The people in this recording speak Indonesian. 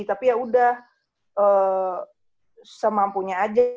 tapi ya udah semampunya aja